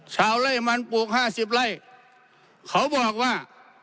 ชาวไล่มันปลูก๕๐ไล่เขาบอกว่า